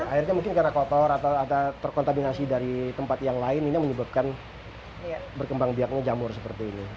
airnya mungkin karena kotor atau terkontaminasi dari tempat yang lain ini menyebabkan berkembang biaknya jamur seperti ini